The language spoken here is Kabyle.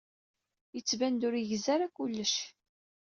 Yettban-d ur yegzi ara kullec.